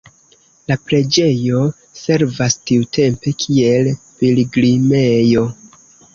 La preĝejo servas tiutempe kiel pilgrimejo.